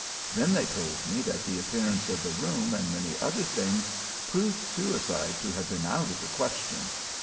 Then they told me that the appearance of the room and many other things, proved suicide to have been out of the question.